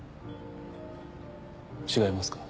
違いますか？